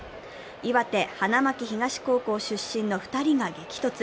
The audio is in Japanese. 岩手・花巻東高校出身の２人が激突。